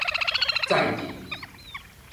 載銀